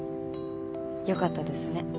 よかったですね。